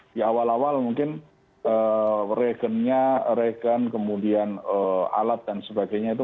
di awal awal mungkin regennya regen kemudian alat dan sebagainya itu